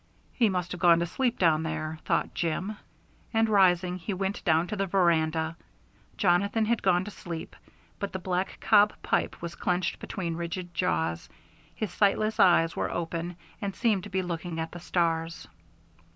"He must have gone to sleep down there," thought Jim, and rising he went down to the veranda. Jonathan had gone to sleep, but the black cob pipe was clenched between rigid jaws; his sightless eyes were open and seemed to be looking at the stars.